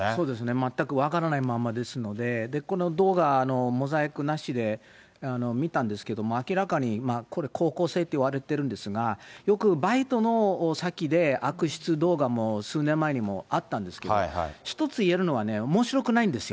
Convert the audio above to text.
全く分からないままですので、この動画のモザイクなしで見たんですけども、明らかにこれ、高校生といわれているんですが、よくバイトの先で悪質動画も数年前にもあったんですけど、一つ言えるのはね、おもしろくないんですよ。